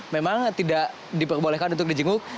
memang tidak diperbolehkan untuk di jenguk